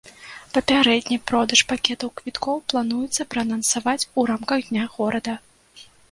Папярэдне продаж пакетаў квіткоў плануецца праанансаваць у рамках дня горада.